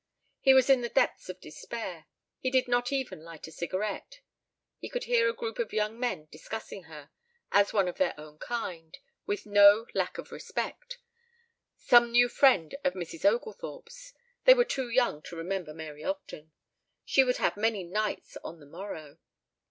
He was in the depths of despair. He did not even light a cigarette. ... He could hear a group of young men discussing her ... as one of their own kind ... with no lack of respect ... some new friend of Mrs. Oglethorpe's they were too young to remember Mary Ogden. ... She would have many "knights" on the morrow